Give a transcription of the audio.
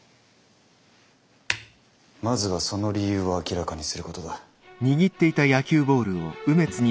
まずはその理由を明らかにすることだ。